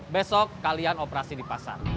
besok kalian operasi di pasar